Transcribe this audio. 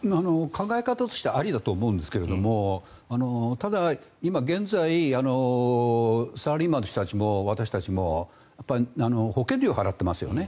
考え方としてはありだと思うんですけれどもただ、今現在サラリーマンの人たちも私たちも保険料を払ってますよね。